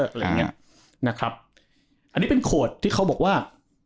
อะไรอย่างเงี้ยนะครับอันนี้เป็นโขดที่เขาบอกว่า